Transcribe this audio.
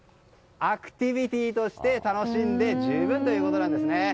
アクティビティーとして楽しんで十分ということなんですね。